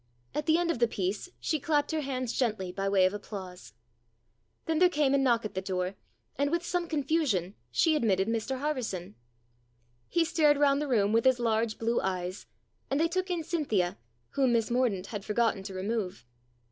At the end of the piece she clapped her hands gently by way of applause. Then there came a knock at the door, and with some confusion she admitted Mr Harverson. He stared round the room with his large blue eyes, and they took in Cynthia, whom Miss Mor daunt had forgotten to remove.